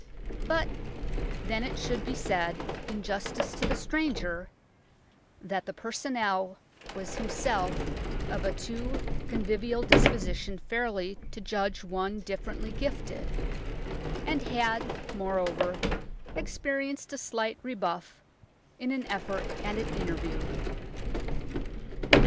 But then it should be said in justice to the stranger that the personnel was himself of a too convivial disposition fairly to judge one differently gifted, and had, moreover, experienced a slight rebuff in an effort at an "interview."